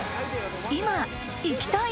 今行きたい！